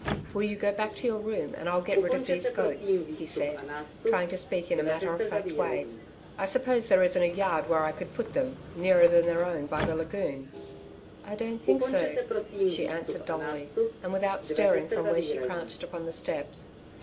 'Will you go back to your room, and I'll get rid of these goats,' he said, trying to speak in a matter of fact way. 'I supose there isn't a yard where I could put them, nearer than their own by the lagoon.' 'I don't think so,' she answered dully, and without stirring from where she crouched upon the steps.